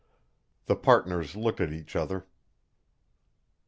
The partners looked at each other.